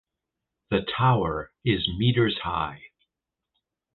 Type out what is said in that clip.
The tower is meters high.